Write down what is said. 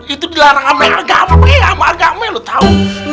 itu dilarang sama yang agama lu tahu